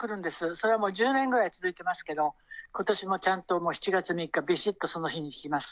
それはもう１０年ぐらい続いてますけど、ことしもちゃんと７月３日、びしっとその日に来ます。